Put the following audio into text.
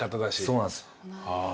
そうなんですよ。